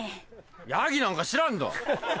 ヤギなんか知らんど！